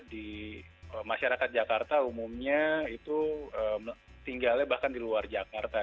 di masyarakat jakarta umumnya itu tinggalnya bahkan di luar jakarta